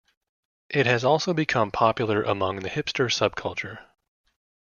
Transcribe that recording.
It has also become popular among the hipster subculture.